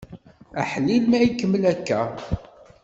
Aḥlil ma ikemmel akka!